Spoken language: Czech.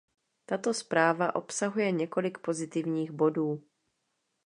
Tato zpráva obsahuje několik pozitivních bodů.